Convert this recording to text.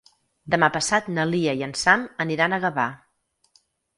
Demà passat na Lia i en Sam aniran a Gavà.